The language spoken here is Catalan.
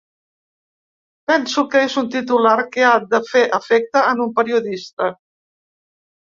Penso que és un titular que ha de fer efecte en un periodista.